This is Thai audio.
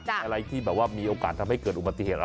อะไรที่แบบว่ามีโอกาสทำให้เกิดอุบัติเหตุ